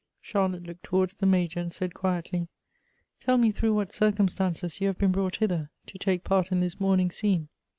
Char lotte looked towards the Major, and said quietly :" Tell me through what circumstances you have been brought hither, to take part in this mourning scene."